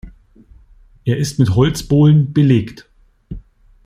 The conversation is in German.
Er ist mit Holzbohlen belegt.